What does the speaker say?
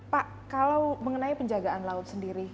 pak kalau mengenai penjagaan laut sendiri